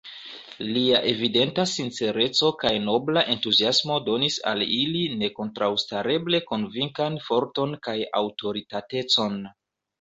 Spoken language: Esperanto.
Lia evidenta sincereco kaj nobla entuziasmo donis al ili nekontraŭstareble konvinkan forton kaj aŭtoritatecon.